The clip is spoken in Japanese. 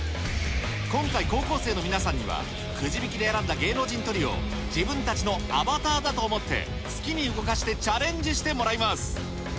今回高校生の皆さんにはくじ引きで選んだ芸能人トリオを自分たちのアバターだと思って好きに動かしてチャレンジしてもらいます